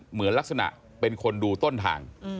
เหมือนลักษณะเป็นคนดูต้นทาง